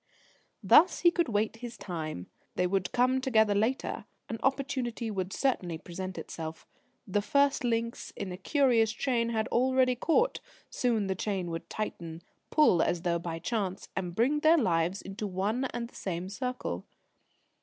Thus, he could wait his time. They would come together later. An opportunity would certainly present itself. The first links in a curious chain had already caught; soon the chain would tighten, pull as though by chance, and bring their lives into one and the same circle.